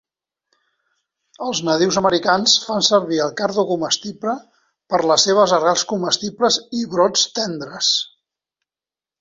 Els nadius americans fan servir el cardo comestible per les seves arrels comestibles i brots tendres.